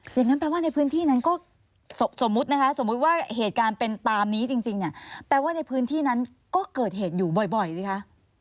อย่างนั้นแปลว่าในพื้นที่นั้นก็สมมุตินะคะสมมุติว่าเหตุการณ์เป็นตามนี้จริงเนี่ยแปลว่าในพื้นที่นั้นก็เกิดเหตุอยู่บ่อยสิคะ